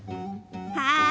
はい。